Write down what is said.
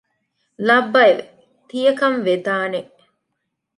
ލައްބައެވެ! ތިޔަކަން ވެދާނެ